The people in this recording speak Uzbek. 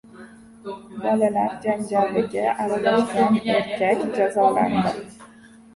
Bolalar janjaliga aralashgan erkak jazolandi